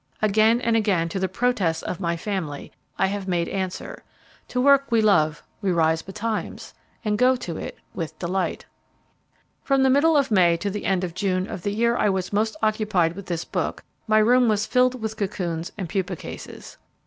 Again and again to the protests of my family, I have made answer "To work we love we rise betimes, and go to it with delight." From the middle of May to the end of June of the year I was most occupied with this book, my room was filled with cocoons and pupa cases.